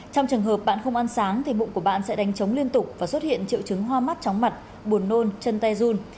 trong trường hợp bạn không ăn sáng thì bụng của bạn sẽ đánh trống liên tục và xuất hiện triệu chứng hoa mắt tróng mặt buồn nôn chân tay run